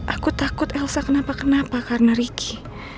aku takut elsa kenapa kenapa karena ricky